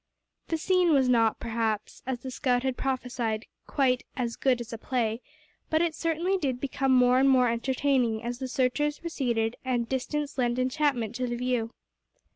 The scene was not perhaps, as the scout had prophesied, quite "as good as a play," but it certainly did become more and more entertaining as the searchers receded and distance lent enchantment to the view.